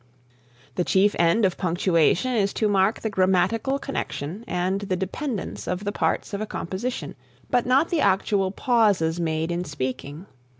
The chief end of punctuation is to mark the grammatical connection and the dependence of the parts of a composition, but not the actual pauses made in speaking.